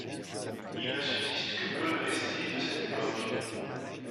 Il ne subsiste que peu de vestiges de cette époque.